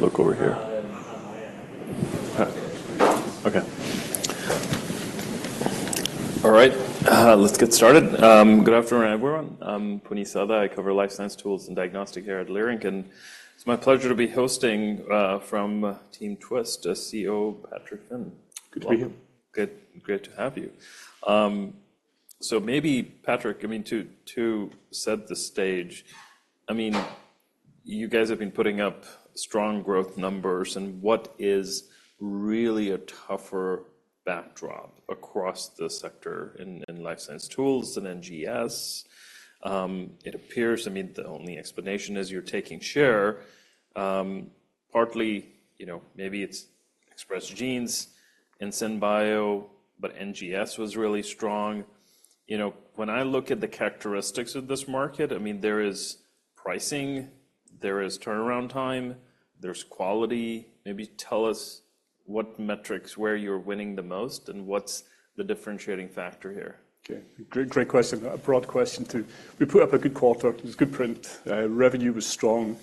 Look over here. Let's get started. Good afternoon, everyone. I'm Puneet Souda. I cover life science tools and diagnostics here at Leerink, and it's my pleasure to be hosting from Team Twist, COO, Patrick Finn. Good to be here. Good, great to have you. So maybe, Patrick, I mean, to set the stage, I mean, you guys have been putting up strong growth numbers, and what is really a tougher backdrop across the sector in life science tools than NGS? It appears, I mean, the only explanation is you're taking share. Partly, you know, maybe it's expressed genes and SynBio, but NGS was really strong. You know, when I look at the characteristics of this market, I mean, there is pricing, there is turnaround time, there's quality. Maybe tell us what metrics, where you're winning the most, and what's the differentiating factor here? Okay. Great, great question. A broad question, too. We put up a good quarter. It was good print. Revenue was strong,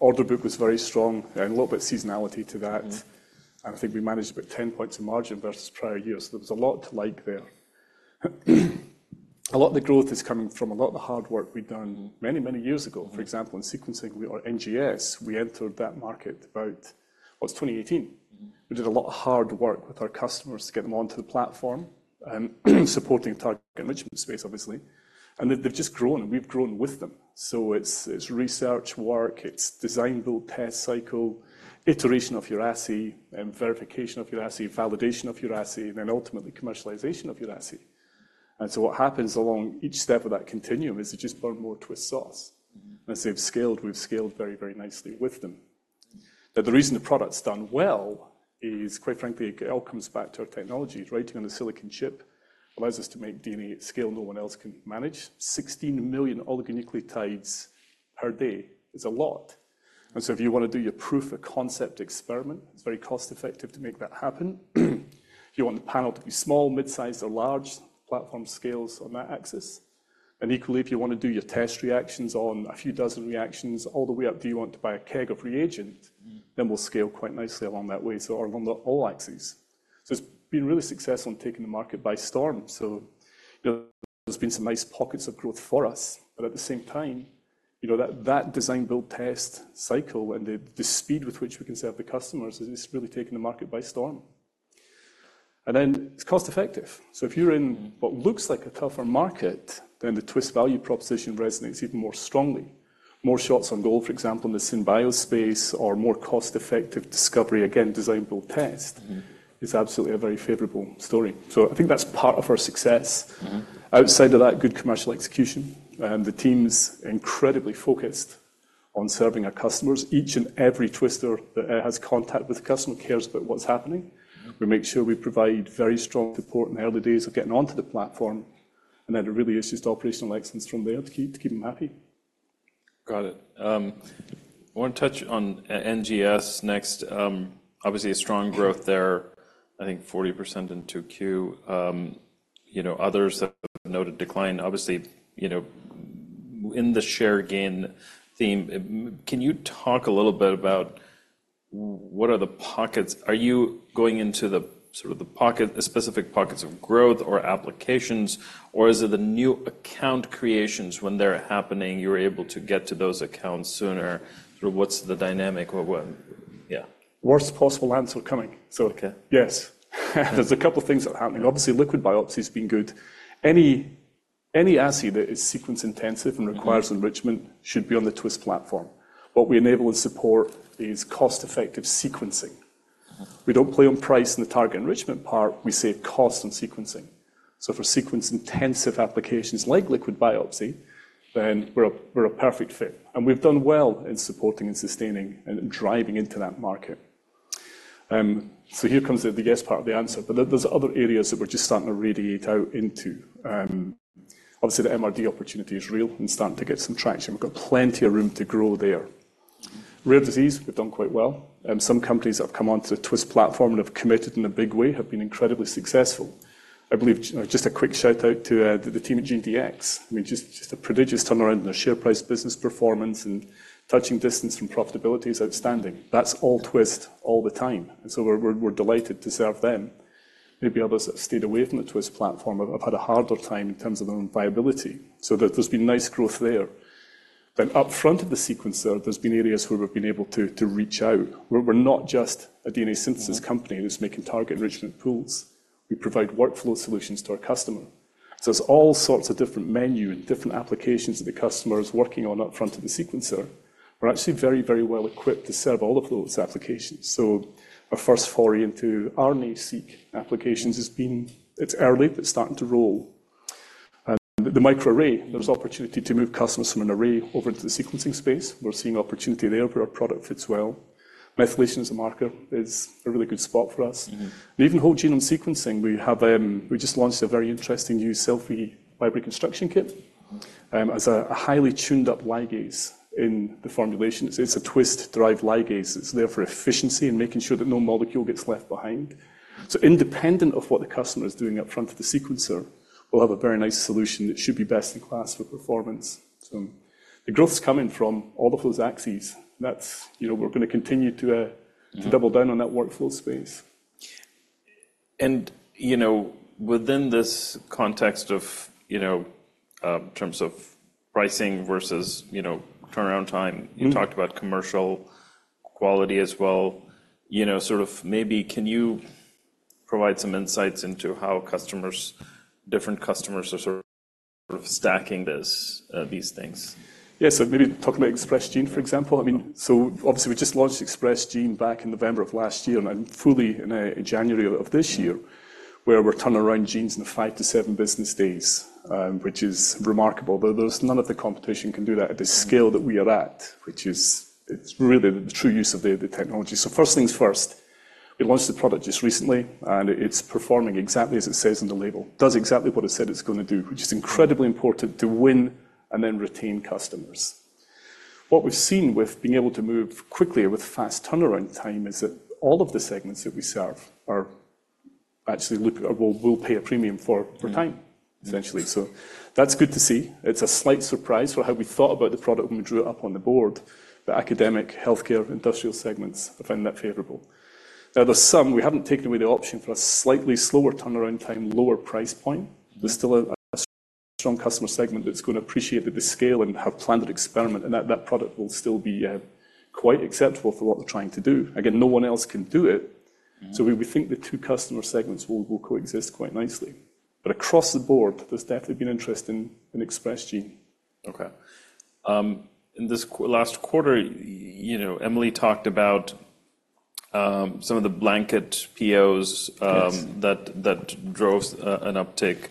order book was very strong, and a little bit seasonality to that. And I think we managed about 10 points of margin versus prior years. There was a lot to like there. A lot of the growth is coming from a lot of the hard work we've done many, many years ago. For example, in sequencing or NGS, we entered that market about, It was 2018. We did a lot of hard work with our customers to get them onto the platform and supporting target image space, obviously. And they've, they've just grown, and we've grown with them. So it's, it's research work, it's design, build, test cycle, iteration of your assay, verification of your assay, validation of your assay, and then ultimately commercialization of your assay. And so what happens along each step of that continuum is it just burn more Twist assays. As they've scaled, we've scaled very, very nicely with them. But the reason the product's done well is, quite frankly, it all comes back to our technology. Writing on a silicon chip allows us to make DNA at scale no one else can manage. 16 million oligonucleotides per day is a lot. And so if you wanna do your proof of concept experiment, it's very cost-effective to make that happen. If you want the panel to be small, mid-sized, or large, the platform scales on that axis. And equally, if you wanna do your test reactions on a few dozen reactions all the way up, do you want to buy a keg of reagent. Mm-hmm. Then we'll scale quite nicely along that way, so, or on all axes. So it's been really successful in taking the market by storm. So, you know, there's been some nice pockets of growth for us, but at the same time, you know, that, that design, build, test cycle and the, the speed with which we can serve the customers is, is really taking the market by storm. And then it's cost effective. So if you're in what looks like a tougher market, then the Twist value proposition resonates even more strongly. More shots on goal, for example, in the SynBio space or more cost-effective discovery, again, design, build, test. Mm-hmm. Is absolutely a very favorable story. So I think that's part of our success. Mm-hmm. Outside of that, good commercial execution, the team's incredibly focused on serving our customers. Each and every twister that has contact with the customer cares about what's happening. Mm-hmm. We make sure we provide very strong support in the early days of getting onto the platform, and then it really is just operational excellence from there to keep, to keep 'em happy. Got it. I want to touch on NGS next. Obviously, a strong growth there, I think 40% in 2Q. You know, others have noted decline. Obviously, you know, in the share gain theme, can you talk a little bit about what are the pockets? Are you going into the sort of the pocket, the specific pockets of growth or applications, or is it the new account creations, when they're happening, you're able to get to those accounts sooner? Sort of what's the dynamic or what... Yeah. Worst possible answer coming. Okay. Yes, there's a couple of things that are happening. Mm-hmm. Obviously, liquid biopsy's been good. Any assay that is sequence-intensive- Mm-hmm and requires enrichment should be on the Twist platform. What we enable and support is cost-effective sequencing. Mm-hmm. We don't play on price in the target enrichment part; we save cost on sequencing. So for sequence-intensive applications like liquid biopsy, we're a perfect fit, and we've done well in supporting and sustaining and driving into that market. So here comes the yes part of the answer, but there's other areas that we're just starting to radiate out into. Obviously, the MRD opportunity is real and starting to get some traction. We've got plenty of room to grow there. Rare disease, we've done quite well, and some companies that have come onto the Twist platform and have committed in a big way have been incredibly successful. I believe... Just a quick shout-out to the team at GeneDx. I mean, just a prodigious turnaround in their share price, business performance, and touching distance from profitability is outstanding. That's all Twist, all the time, and so we're delighted to serve them. Maybe others that stayed away from the Twist platform have had a harder time in terms of their own viability. So there, there's been nice growth there. Then up front of the sequencer, there's been areas where we've been able to reach out, where we're not just a DNA synthesis. Mm-hmm company who's making target enrichment pools. We provide workflow solutions to our customer. So there's all sorts of different menu and different applications that the customer is working on up front of the sequencer. We're actually very, very well equipped to serve all of those applications. So our first foray into RNA-seq applications has been. It's early, but starting to roll. And the microarray, there's opportunity to move customers from an array over into the sequencing space. We're seeing opportunity there where our product fits well. Methylation as a marker is a really good spot for us. Mm-hmm. And even whole genome sequencing, we have we just launched a very interesting new cell-free library construction kit, as a highly tuned up ligase in the formulation. It's a Twist-derived ligase. It's there for efficiency and making sure that no molecule gets left behind. So independent of what the customer is doing up front of the sequencer, we'll have a very nice solution that should be best in class for performance. So the growth's coming from all of those axes. That's, you know, we're going to continue to double down on that workflow space. You know, within this context of, you know, in terms of pricing versus, you know, turnaround time. Mm-hmm. You talked about commercial quality as well. You know, sort of maybe can you provide some insights into how customers, different customers are sort of, sort of stacking this, these things? Yeah. So maybe talk about Express Genes, for example. Yeah. I mean, so obviously, we just launched Express Genes back in November of last year, and then fully in January of this year, where we're turning around genes in 5-7 business days, which is remarkable, though there's none of the competition can do that at the scale that we are at, which is, it's really the true use of the technology. So first things first, we launched the product just recently, and it's performing exactly as it says on the label. Does exactly what it said it's gonna do, which is incredibly important to win and then retain customers. What we've seen with being able to move quickly or with fast turnaround time is that all of the segments that we serve are actually will pay a premium for time. Mm. Essentially. So that's good to see. It's a slight surprise for how we thought about the product when we drew it up on the board, but academic, healthcare, industrial segments have found that favorable. Now, there's some we haven't taken away the option for a slightly slower turnaround time, lower price point. Mm. There's still a strong customer segment that's going to appreciate the scale and have planned experiment, and that product will still be quite acceptable for what they're trying to do. Again, no one else can do it. Mm. So we think the two customer segments will coexist quite nicely. But across the board, there's definitely been interest in Express Gene. Okay. In this last quarter, you know, Emily talked about some of the blanket POs- Yes... that drove an uptick.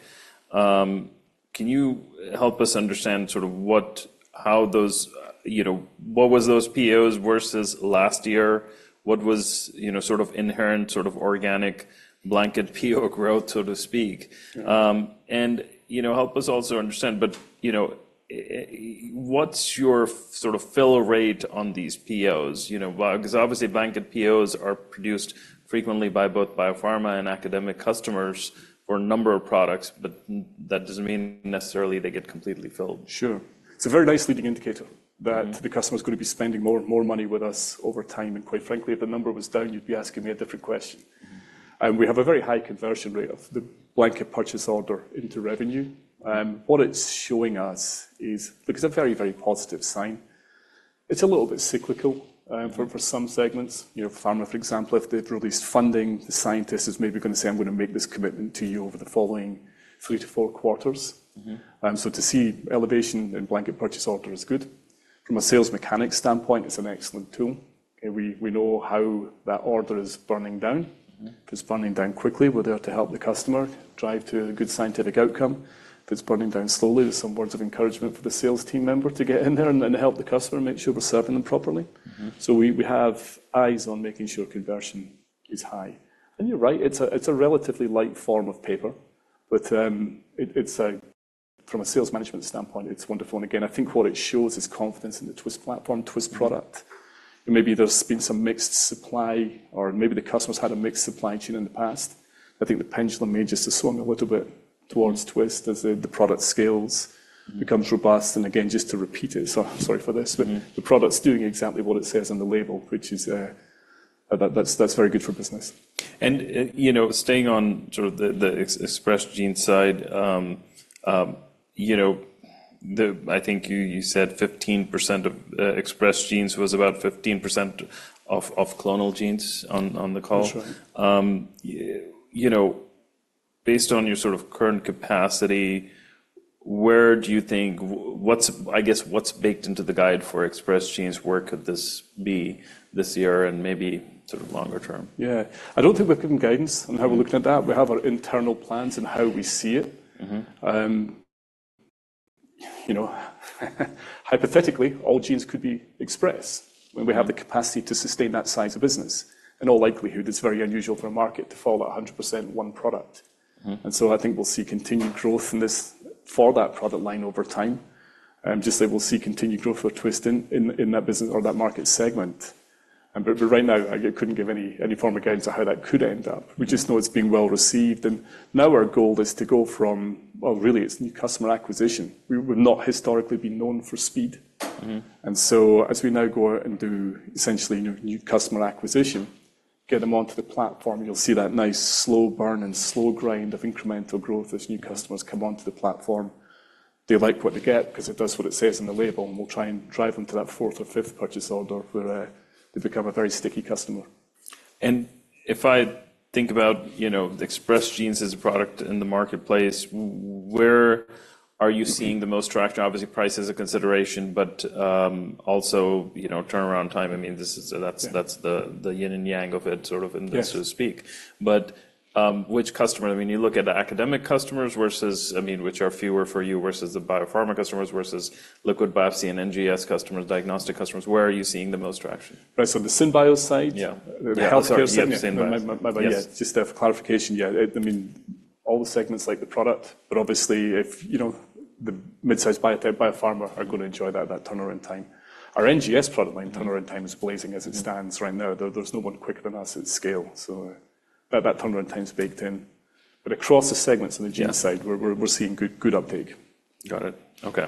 Can you help us understand sort of what, how those, you know - what was those POs versus last year? What was, you know, sort of inherent, sort of organic blanket PO growth, so to speak? Sure. You know, help us also understand, but, you know, what's your sort of fill rate on these POs? You know, well, because obviously, blanket POs are produced frequently by both biopharma and academic customers for a number of products, but that doesn't mean necessarily they get completely filled. Sure. It's a very nice leading indicator- Mm... that the customer is going to be spending more, more money with us over time, and quite frankly, if the number was down, you'd be asking me a different question. Mm-hmm. We have a very high conversion rate of the blanket purchase order into revenue. What it's showing us is. because a very, very positive sign. It's a little bit cyclical for some segments. You know, pharma, for example, if they've released funding, the scientist is maybe going to say, "I'm going to make this commitment to you over the following 3 to 4 quarters. Mm-hmm. To see elevation in blanket purchase order is good. From a sales mechanic standpoint, it's an excellent tool, and we know how that order is burning down. Mm-hmm. If it's burning down quickly, we're there to help the customer drive to a good scientific outcome. If it's burning down slowly, there's some words of encouragement for the sales team member to get in there and help the customer, make sure we're serving them properly. Mm-hmm. We have eyes on making sure conversion is high. You're right, it's a relatively light form of paper, but from a sales management standpoint, it's wonderful. Again, I think what it shows is confidence in the Twist platform, Twist product. Maybe there's been some mixed supply, or maybe the customer's had a mixed supply chain in the past. I think the pendulum may just swing a little bit towards Twist as the product scales becomes robust. Again, just to repeat it, so sorry for this. Mm But the product's doing exactly what it says on the label, which is that that's very good for business. You know, staying on sort of the Express Gene side, you know, I think you said 15% of Express Genes was about 15% of clonal genes on the call. That's right. You know, based on your sort of current capacity, where do you think... I guess, what's baked into the guide for Express Genes? Where could this be this year and maybe sort of longer term? Yeah. I don't think we've given guidance on how we're looking at that. We have our internal plans and how we see it. Mm-hmm. You know, hypothetically, all genes could be expressed when we have the capacity to sustain that size of business. In all likelihood, it's very unusual for a market to follow 100% one product. Mm-hmm. And so I think we'll see continued growth in this, for that product line over time. Just that we'll see continued growth for Twist in that business or that market segment. But right now, I couldn't give any form of guidance on how that could end up. We just know it's being well-received, and now our goal is to go from... Well, really, it's new customer acquisition. We've not historically been known for speed. Mm-hmm. So as we now go out and do essentially new customer acquisition, get them onto the platform, you'll see that nice slow burn and slow grind of incremental growth as new customers come onto the platform. They like what they get because it does what it says on the label, and we'll try and drive them to that fourth or fifth purchase order, where they become a very sticky customer. If I think about, you know, Express Genes as a product in the marketplace, where are you seeing the most traction? Obviously, price is a consideration, but also, you know, turnaround time, I mean, this is. Yeah That's the yin and yang of it, sort of- Yes And so to speak. But, which customer? I mean, you look at the academic customers versus, I mean, which are fewer for you, versus the biopharma customers, versus liquid biopsy and NGS customers, diagnostic customers. Where are you seeing the most traction? Right. So the SynBio side- Yeah. The healthcare side- Yeah, sorry. Yeah, SynBio. My yeah. Yes. Just to have clarification, yeah, it—I mean, all the segments like the product, but obviously, if, you know—the mid-size biotech biopharma are going to enjoy that, that turnaround time. Our NGS product line turnaround time is blazing as it stands right now. There, there's no one quicker than us at scale, so, that turnaround time is baked in. But across the segments on the gene side— Yeah. We're seeing good uptake. Got it. Okay.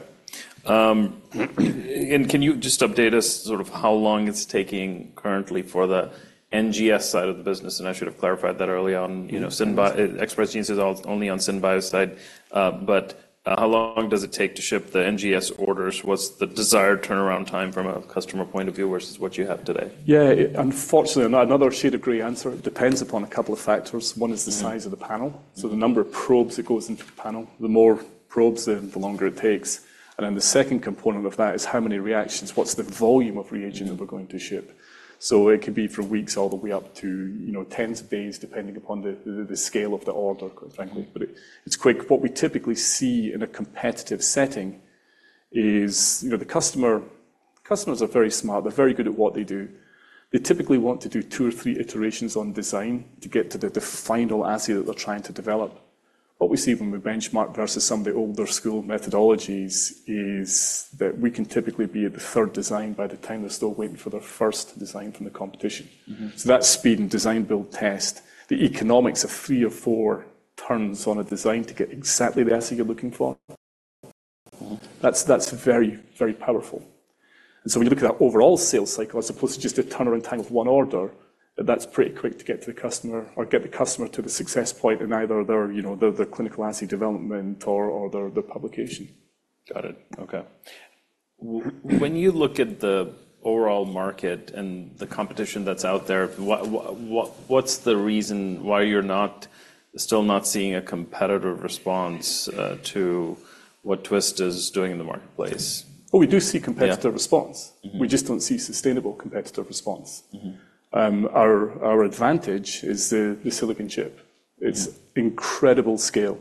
And can you just update us sort of how long it's taking currently for the NGS side of the business? I should have clarified that early on. Mm-hmm. You know, SynBio, Express Genes is all only on SynBio side. But, how long does it take to ship the NGS orders? What's the desired turnaround time from a customer point of view versus what you have today? Yeah, unfortunately, another shade of gray answer. It depends upon a couple of factors. Yeah. One is the size of the panel, so the number of probes that goes into the panel. The more probes, the longer it takes. And then the second component of that is how many reactions, what's the volume of reagent that we're going to ship? So it could be from weeks all the way up to, you know, tens of days, depending upon the scale of the order, quite frankly, but it's quick. What we typically see in a competitive setting is, you know, the customer, customers are very smart. They're very good at what they do. They typically want to do 2 or 3 iterations on design to get to the final assay that they're trying to develop. What we see when we benchmark versus some of the old school methodologies is that we can typically be at the third design by the time they're still waiting for their first design from the competition. Mm-hmm. That speed and design build test, the economics of 3 or 4 turns on a design to get exactly the assay you're looking for- Mm-hmm. That's, that's very, very powerful. And so when you look at that overall sales cycle, as opposed to just a turnaround time of one order, that's pretty quick to get to the customer or get the customer to the success point in either their, you know, the clinical assay development or their publication. Got it. Okay. When you look at the overall market and the competition that's out there, what's the reason why you're not still not seeing a competitive response to what Twist is doing in the marketplace? Oh, we do see competitive response. Yeah. Mm-hmm. We just don't see sustainable competitive response. Mm-hmm. Our advantage is the silicon chip. Mm-hmm. It's incredible scale.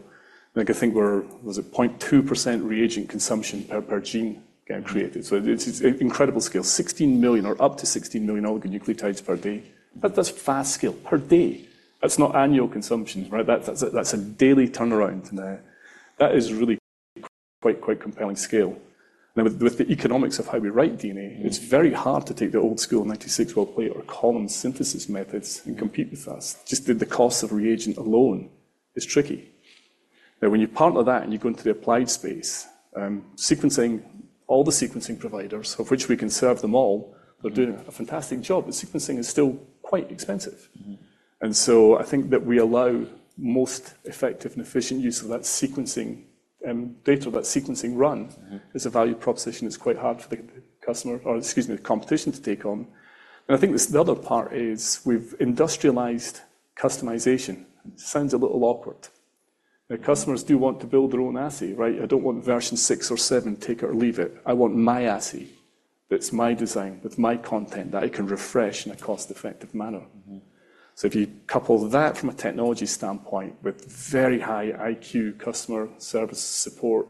Like, I think we're... Was it 0.2% reagent consumption per gene getting created? So it's incredible scale. 16 million, or up to 16 million oligonucleotides per day. That's fast scale. Per day. That's not annual consumption, right? That's a daily turnaround time. That is really quite compelling scale. Now, with the economics of how we write DNA- Mm-hmm. It's very hard to take the old school 96-well plate or column synthesis methods and compete with us. Just the cost of reagent alone is tricky. Now, when you partner that and you go into the applied space, sequencing, all the sequencing providers, of which we can serve them all- Mm-hmm. They're doing a fantastic job, but sequencing is still quite expensive. Mm-hmm. And so I think that we allow most effective and efficient use of that sequencing, data, that sequencing run is a value proposition that's quite hard for the customer, or excuse me, the competition to take on. And I think the other part is, we've industrialized customization. Sounds a little awkward. The customers do want to build their own assay, right? "I don't want version 6 or 7, take it or leave it. I want my assay. That's my design, with my content, that I can refresh in a cost-effective manner. Mm-hmm. So if you couple that from a technology standpoint with very high IQ customer service support,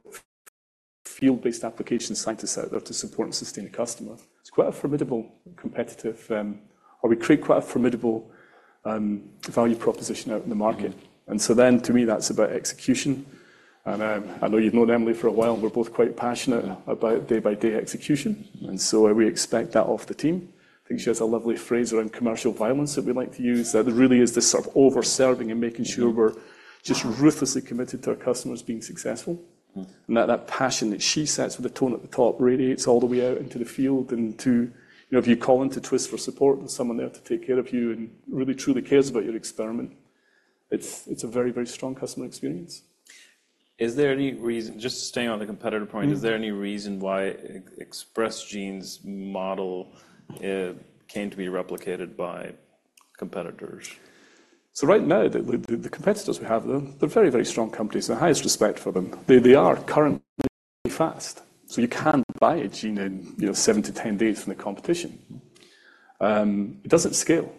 field-based application scientists out there to support and sustain the customer, it's quite a formidable competitive... Or we create quite a formidable... value proposition out in the market. Mm-hmm. And so then, to me, that's about execution. And, I know you've known Emily for a while, and we're both quite passionate about day-by-day execution, and so we expect that of the team. I think she has a lovely phrase around commercial violence that we like to use, that really is this sort of over-serving and making sure we're just ruthlessly committed to our customers being successful. Mm. That passion that she sets with the tone at the top radiates all the way out into the field and to, you know, if you call into Twist for support, there's someone there to take care of you and really truly cares about your experiment. It's a very, very strong customer experience. Is there any reason, just staying on the competitive point? Mm-hmm. Is there any reason why Express Genes model can't be replicated by competitors? So right now, the competitors we have, they're very strong companies. The highest respect for them. They are currently fast, so you can buy a gene in, you know, 7-10 days from the competition. It doesn't scale.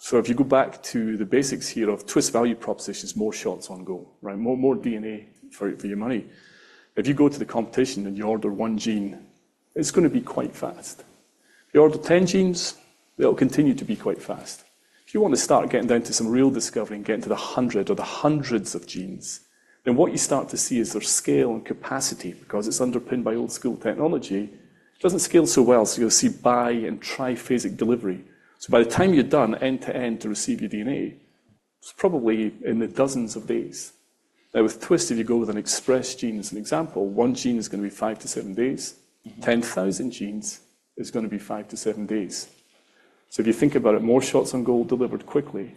So if you go back to the basics here of Twist value propositions, more shots on goal, right? More DNA for your money. If you go to the competition and you order one gene, it's gonna be quite fast. If you order 10 genes, they'll continue to be quite fast. If you want to start getting down to some real discovery and getting to the 100 or the hundreds of genes, then what you start to see is their scale and capacity, because it's underpinned by old school technology, it doesn't scale so well, so you'll see biphasic and triphasic delivery. So by the time you're done, end-to-end, to receive your DNA, it's probably in the dozens of days. Now, with Twist, if you go with an Express Gene as an example, one gene is gonna be 5-7 days. Mm-hmm. 10,000 genes is gonna be 5-7 days. So if you think about it, more shots on goal delivered quickly,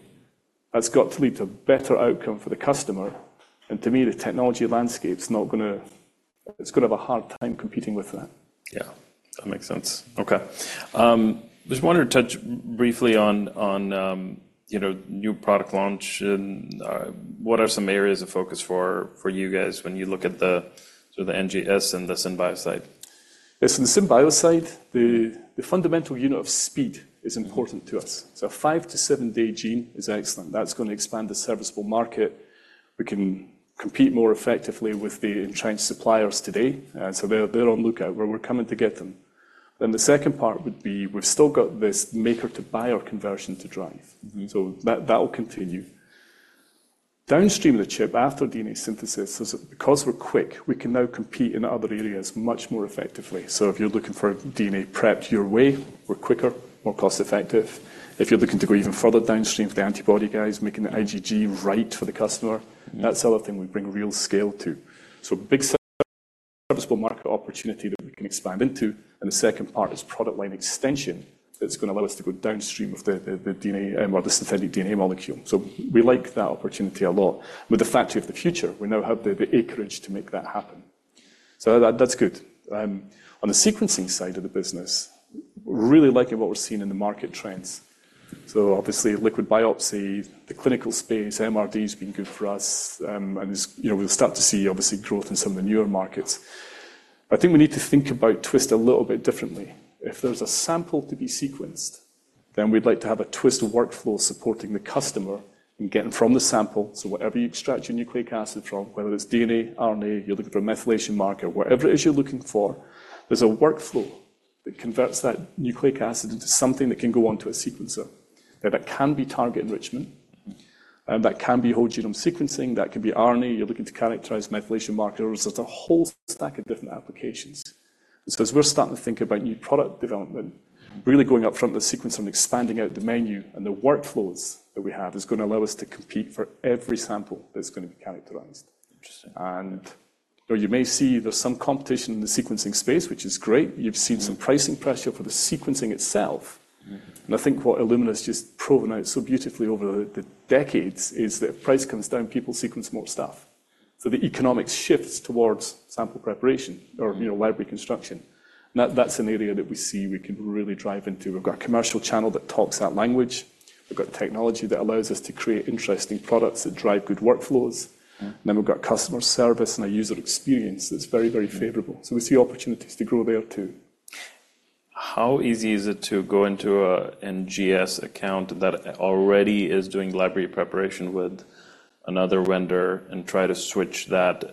that's got to lead to better outcome for the customer, and to me, the technology landscape's not gonna. It's gonna have a hard time competing with that. Yeah, that makes sense. Okay. I just wanted to touch briefly on, you know, new product launch and what are some areas of focus for you guys when you look at the sort of NGS and the SynBio side? Yes, in the SynBio side, the fundamental unit of speed is important to us. So 5-7-day gene is excellent. That's gonna expand the serviceable market. We can compete more effectively with the entrenched suppliers today. So they're on lookout. We're coming to get them.... Then the second part would be, we've still got this maker to buyer conversion to drive. Mm-hmm. So that, that will continue. Downstream of the chip, after DNA synthesis, is because we're quick, we can now compete in other areas much more effectively. So if you're looking for DNA prepped your way, we're quicker, more cost-effective. If you're looking to go even further downstream for the antibody guys, making the IgG right for the customer. Mm. That's the other thing we bring real scale to. So big serviceable market opportunity that we can expand into, and the second part is product line extension, that's gonna allow us to go downstream of the DNA, or the synthetic DNA molecule. So we like that opportunity a lot. With the Factory of the Future, we now have the acreage to make that happen. So that's good. On the sequencing side of the business, we're really liking what we're seeing in the market trends. So obviously, liquid biopsy, the clinical space, MRD's been good for us. And as you know, we'll start to see obviously growth in some of the newer markets. I think we need to think about Twist a little bit differently. If there's a sample to be sequenced, then we'd like to have a Twist workflow supporting the customer in getting from the sample, so whatever you extract your nucleic acid from, whether it's DNA, RNA, you're looking for a methylation marker, whatever it is you're looking for, there's a workflow that converts that nucleic acid into something that can go onto a sequencer. Now, that can be target enrichment that can be whole genome sequencing, that can be RNA. You're looking to characterize methylation markers. There's a whole stack of different applications. And so as we're starting to think about new product development, really going up front of the sequence and expanding out the menu and the workflows that we have, is gonna allow us to compete for every sample that's gonna be characterized. Interesting. You may see there's some competition in the sequencing space, which is great. Mm. You've seen some pricing pressure for the sequencing itself. Mm. And I think what Illumina's just proven out so beautifully over the decades is that if price comes down, people sequence more stuff. So the economic shifts towards sample preparation or, you know, library construction, and that's an area that we see we can really drive into. We've got a commercial channel that talks that language. We've got technology that allows us to create interesting products that drive good workflows. Mm. Then we've got customer service and a user experience that's very, very favorable. Mm. So we see opportunities to grow there, too. How easy is it to go into a NGS account that already is doing library preparation with another vendor and try to switch that,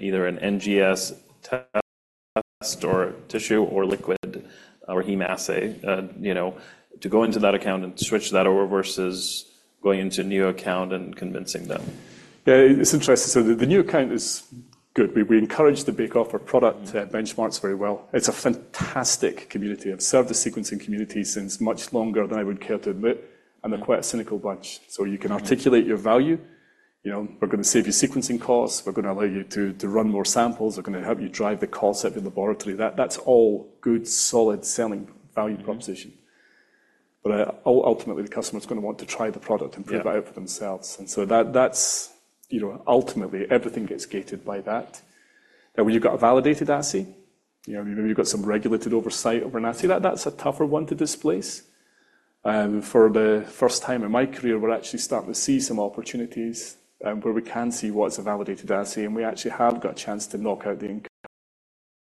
either an NGS test or tissue, or liquid, or heme assay, you know, to go into that account and switch that over, versus going into a new account and convincing them? Yeah, it's interesting. So the new account is good. We encourage the bake-off our product- Mm. Benchmarks very well. It's a fantastic community. I've served the sequencing community since much longer than I would care to admit, and they're quite a cynical bunch. Mm. So you can articulate your value. You know, we're gonna save you sequencing costs, we're gonna allow you to, to run more samples, we're gonna help you drive the cost out of the laboratory. That, that's all good, solid selling value proposition. But ultimately, the customer's gonna want to try the product- Yeah... and prove it out for themselves. And so that, that's... You know, ultimately, everything gets gated by that. Now, you've got a validated assay, you know, maybe you've got some regulated oversight over an assay, that, that's a tougher one to displace. For the first time in my career, we're actually starting to see some opportunities, where we can see what's a validated assay, and we actually have got a chance to knock out the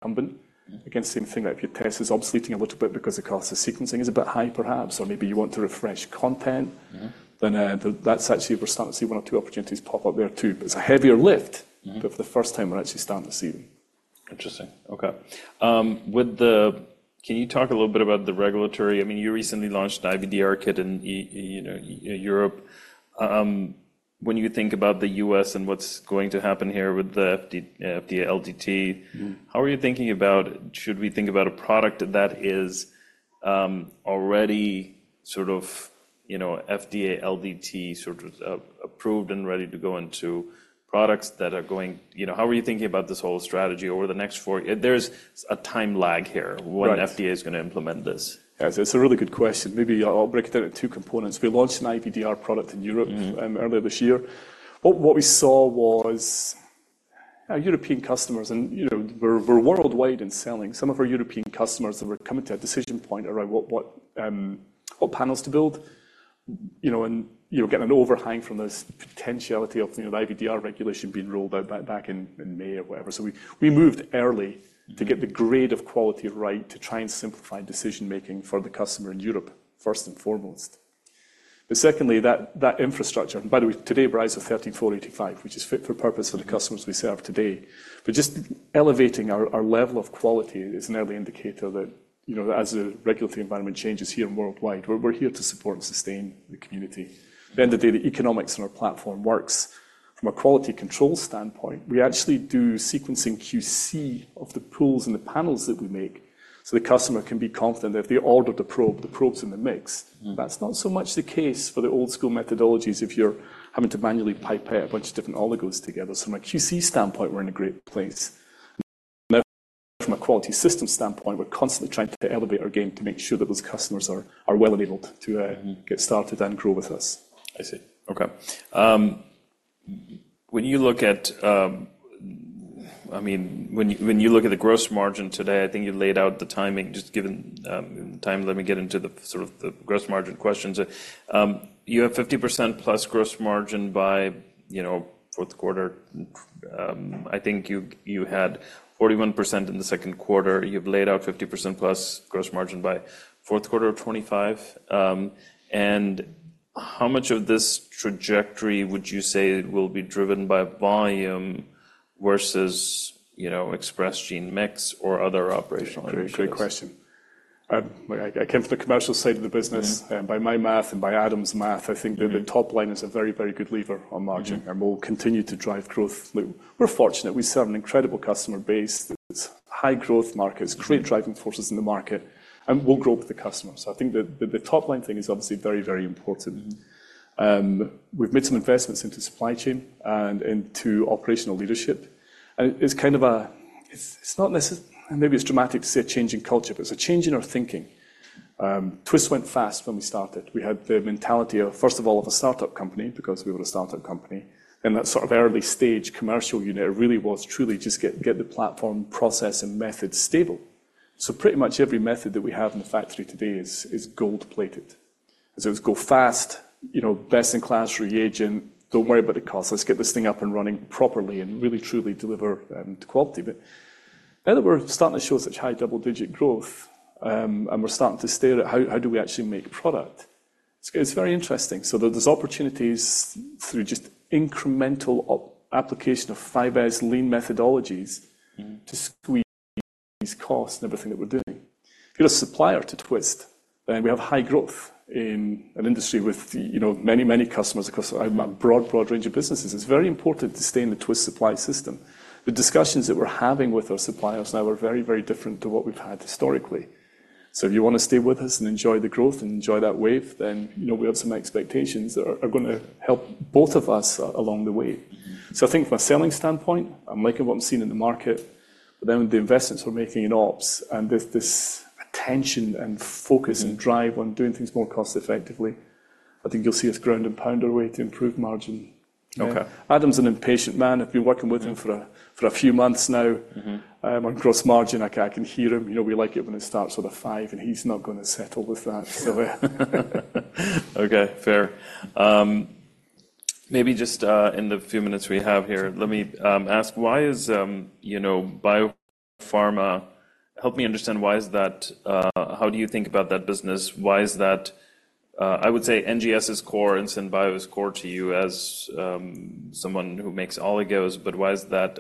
incumbent. Mm. Again, same thing, like if your test is obsoleting a little bit because the cost of sequencing is a bit high, perhaps, or maybe you want to refresh content- Mm-hmm... then, that's actually, we're starting to see one or two opportunities pop up there, too. But it's a heavier lift- Mm. But for the first time, we're actually starting to see them. Interesting. Okay. Can you talk a little bit about the regulatory? I mean, you recently launched an IVDR kit in Europe, you know. When you think about the US and what's going to happen here with the FDA LDT. Mm. How are you thinking about. Should we think about a product that is already sort of, you know, FDA LDT, sort of approved and ready to go into products that are going... You know, how are you thinking about this whole strategy over the next 4? There's a time lag here. Right When FDA is gonna implement this. Yes, it's a really good question. Maybe I'll break it down into two components. We launched an IVDR product in Europe. Mm Earlier this year. What we saw was our European customers, and, you know, we're worldwide in selling. Some of our European customers that were coming to a decision point around what panels to build, you know, and you're getting an overhang from this potentiality of the IVDR regulation being rolled out back in May or whatever. So we moved early to get the grade of quality right, to try and simplify decision-making for the customer in Europe, first and foremost. But secondly, that infrastructure... By the way, today, [We are ISO 13485, which is fit for purpose for the customers we serve today. But just elevating our level of quality is an early indicator that, you know, as the regulatory environment changes here and worldwide, we're here to support and sustain the community. Mm. Then the data economics on our platform works from a quality control standpoint. We actually do sequencing QC of the pools and the panels that we make, so the customer can be confident that if they ordered the probe, the probe's in the mix. Mm. That's not so much the case for the old school methodologies, if you're having to manually pipe out a bunch of different oligos together. So from a QC standpoint, we're in a great place. Now, from a quality system standpoint, we're constantly trying to elevate our game to make sure that those customers are well enabled to, Mm... get started and grow with us. I see. Okay. I mean, when you look at the gross margin today, I think you laid out the timing. Just given time, let me get into the, sort of, the gross margin questions. You have 50%+ gross margin by, you know, Q4. I think you had 41% in the Q2. You've laid out 50%+ gross margin by Q4 of 2025. And how much of this trajectory would you say will be driven by volume?... versus, you know, expressed gene mix or other operational ratios? Great, great question. I came from the commercial side of the business. Mm-hmm. By my math and by Adam's math, I think that the top line is a very, very good lever on margin- Mm-hmm. And we'll continue to drive growth. Look, we're fortunate. We serve an incredible customer base that's high growth markets. Mm-hmm. Great driving forces in the market, and we'll grow with the customer. So I think the top-line thing is obviously very, very important. Mm-hmm. We've made some investments into supply chain and into operational leadership, and it's kind of a, it's not necessarily, maybe it's dramatic to say a change in culture, but it's a change in our thinking. Twist went fast when we started. We had the mentality of, first of all, of a start-up company, because we were a start-up company, and that sort of early stage commercial unit, it really was truly just get the platform, process, and method stable. So pretty much every method that we have in the factory today is gold-plated. As it was go fast, you know, best in class reagent, don't worry about the cost. Let's get this thing up and running properly and really truly deliver quality. But now that we're starting to show such high double-digit growth, and we're starting to stare at how do we actually make product? It's very interesting. So there's opportunities through just incremental application of 5S lean methodologies- Mm-hmm. -to squeeze costs in everything that we're doing. If you're a supplier to Twist, then we have high growth in an industry with, you know, many, many customers across a, a broad, broad range of businesses. It's very important to stay in the Twist supply system. The discussions that we're having with our suppliers now are very, very different to what we've had historically. So if you wanna stay with us and enjoy the growth and enjoy that wave, then, you know, we have some expectations that are, are gonna help both of us along the way. So I think from a selling standpoint, I'm liking what I'm seeing in the market, but then with the investments we're making in ops and this, this attention and focus- Mm. and drive on doing things more cost effectively, I think you'll see us ground and pound our way to improve margin. Okay. Adam's an impatient man. I've been working with him for a few months now. Mm-hmm. On gross margin, I can hear him. You know, we like it when it starts with a five, and he's not gonna settle with that, so Okay, fair. Maybe just, in the few minutes we have here- Sure. Let me ask, why is, you know, biopharma... Help me understand, why is that, how do you think about that business? Why is that... I would say NGS is core and Synbio is core to you as, someone who makes oligos, but why is that,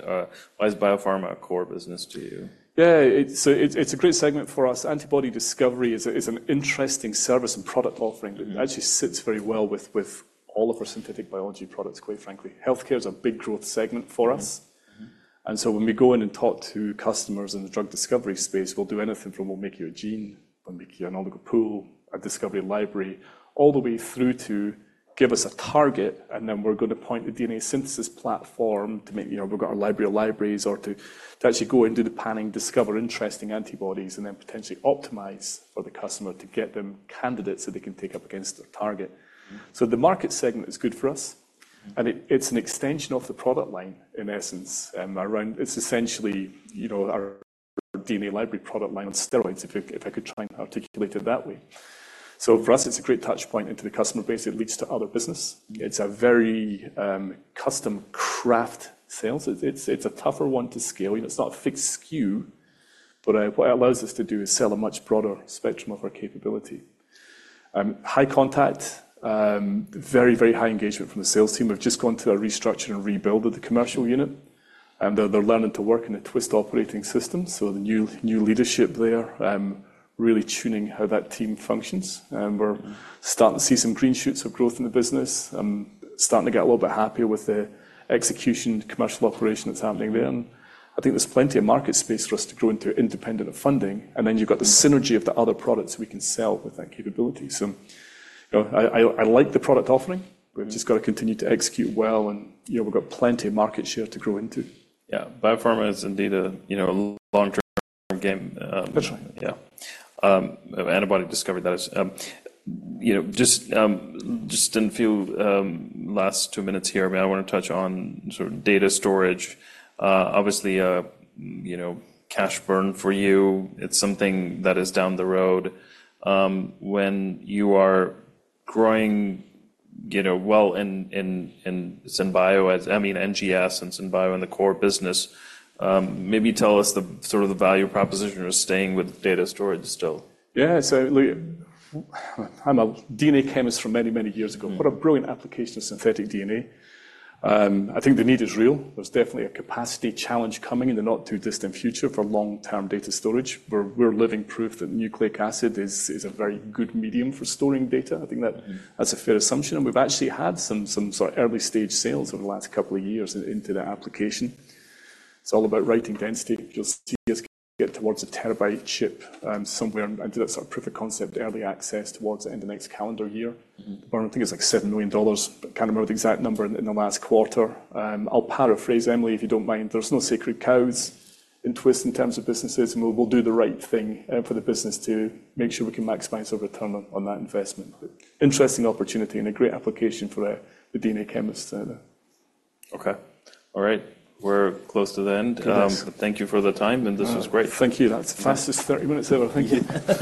why is biopharma a core business to you? Yeah, it's a great segment for us. Antibody discovery is an interesting service and product offering- Mm-hmm. that actually sits very well with, with all of our synthetic biology products, quite frankly. Healthcare is a big growth segment for us. Mm-hmm. Mm-hmm. And so when we go in and talk to customers in the drug discovery space, we'll do anything from we'll make you a gene, we'll make you an oligo pool, a discovery library, all the way through to give us a target, and then we're gonna point the DNA synthesis platform to make, you know, we've got our library of libraries or to actually go in, do the panning, discover interesting antibodies, and then potentially optimize for the customer to get them candidates so they can take up against their target. Mm-hmm. The market segment is good for us. Mm-hmm. And it, it's an extension of the product line, in essence. It's essentially, you know, our DNA library product line on steroids, if I could try and articulate it that way. So for us, it's a great touchpoint into the customer base. It leads to other business. It's a very custom craft sales. It's a tougher one to scale. It's not a fixed SKU, but what it allows us to do is sell a much broader spectrum of our capability. High contact, very, very high engagement from the sales team. We've just gone through a restructure and rebuild of the commercial unit, and they're learning to work in a Twist operating system, so the new leadership there really tuning how that team functions. And we're starting to see some green shoots of growth in the business. I'm starting to get a little bit happier with the execution, commercial operation that's happening there. I think there's plenty of market space for us to grow into independent of funding, and then you've got the synergy- Mm -of the other products we can sell with that capability. So, you know, I like the product offering. Mm-hmm. We've just got to continue to execute well, and, you know, we've got plenty of market share to grow into. Yeah. Biopharma is indeed a, you know, a long-term game, For sure. Yeah. Antibody discovery, that is, you know, just, just in the few last two minutes here, I want to touch on sort of data storage. Obviously, you know, cash burn for you, it's something that is down the road. When you are growing, you know, well in, in, in SynBio, I mean, NGS and SynBio and the core business, maybe tell us the sort of the value proposition of staying with data storage still. Yeah, so look, I'm a DNA chemist from many, many years ago. Mm. What a brilliant application of synthetic DNA. I think the need is real. There's definitely a capacity challenge coming in the not-too-distant future for long-term data storage, where we're living proof that nucleic acid is a very good medium for storing data. I think that- Mm. That's a fair assumption, and we've actually had some sort of early-stage sales over the last couple of years into that application. It's all about writing density. You'll see us get towards a terabyte chip, somewhere into that sort of proof of concept, early access towards the end of next calendar year. Mm-hmm. I think it's like $7 million, but can't remember the exact number in the last quarter. I'll paraphrase, Emily, if you don't mind: There's no sacred cows in Twist in terms of businesses, and we'll do the right thing for the business to make sure we can maximize the return on that investment. Interesting opportunity and a great application for the DNA chemist. Okay. All right, we're close to the end. We are. Thank you for the time, and this was great. Thank you. That's the fastest 30 minutes ever. Thank you.